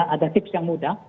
ada tips yang mudah